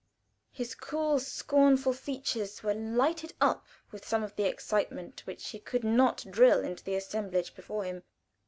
His cool, scornful features were lighted up with some of the excitement which he could not drill into the assemblage before him.